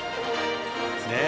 ねえ。